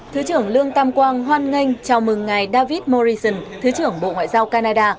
thứ trưởng lương tâm quang hoan nghênh chào mừng ngày david morrison thứ trưởng bộ ngoại giao canada